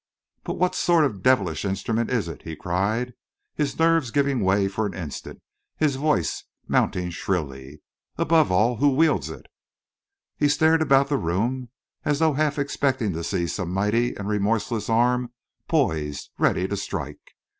"But what sort of devilish instrument is it?" he cried, his nerves giving way for an instant, his voice mounting shrilly. "Above all, who wields it?" He stared about the room, as though half expecting to see some mighty and remorseless arm poised, ready to strike.